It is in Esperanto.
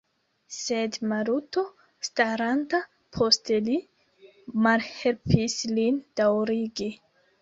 Sed Maluto, staranta post li, malhelpis lin daŭrigi.